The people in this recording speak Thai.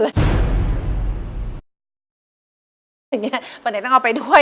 อย่างนี้บรรยายต้องเอาไปด้วย